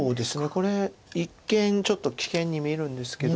これ一見ちょっと危険に見えるんですけど。